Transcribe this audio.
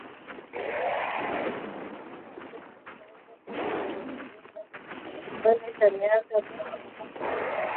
Kirusi kinaweza kuishi kwenye gaga kwa kipindi cha miaka mingi wakati wa ukame